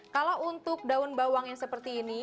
kalau untuk daun bawang yang seperti ini